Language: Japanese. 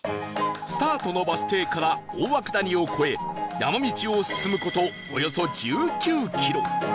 スタートのバス停から大涌谷を越え山道を進む事およそ１９キロ